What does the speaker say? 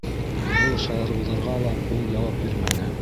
Был шаярыуҙарға ла ул яуап бирмәне.